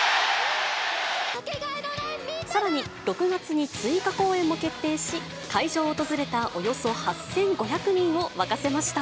さらに、６月に追加公演も決定し、会場を訪れたおよそ８５００人を沸かせました。